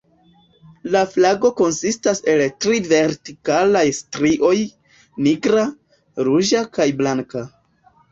La flago konsistas el tri vertikalaj strioj: nigra, ruĝa kaj blanka.